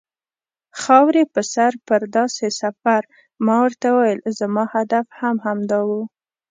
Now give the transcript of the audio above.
خاورې په سر پر داسې سفر، ما ورته وویل: زما هدف هم همدا و.